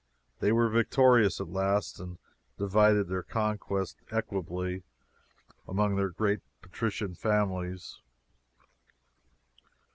They were victorious at last and divided their conquests equably among their great patrician families.